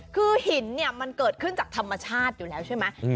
คือหินเนี่ยมันเกิดขึ้นจากธรรมชาติอยู่แล้วใช่ไหม